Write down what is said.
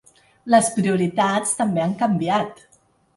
Les prioritats també han canviat.